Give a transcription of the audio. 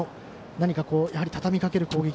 何か、畳みかける攻撃